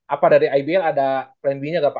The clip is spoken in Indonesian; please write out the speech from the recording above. apa dari ibl ada plan b nya nggak pak